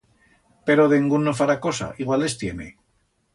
Pero dengún no fará cosa, igual les tiene.